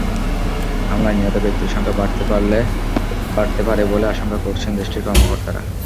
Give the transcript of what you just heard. হামলায় নিহত ব্যক্তির সংখ্যা বাড়তে পারে বলে আশঙ্কা করছেন দেশটির কর্মকর্তারা।